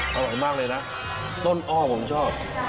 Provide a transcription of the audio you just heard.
อร่อยมากเลยนะต้นอ้อผมชอบ